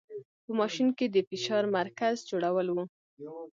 په ماشین کې د فشار مرکز جوړول و.